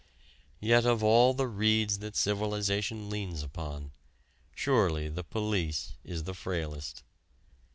Yet of all the reeds that civilization leans upon, surely the police is the frailest.